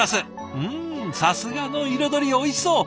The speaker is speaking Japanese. うんさすがの彩りおいしそう！